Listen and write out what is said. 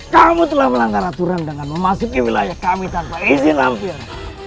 kamu telah melanggar aturan dengan memasuki wilayah kami tanpa izin hampir